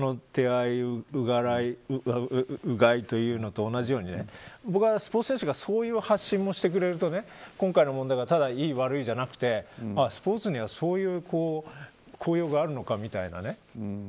手洗い、うがいと同じように、僕はスポーツ選手がそういう発信もしてくれると今回の問題がただ良い悪いじゃなくてスポーツにはそういう効用があるのかみたいなね。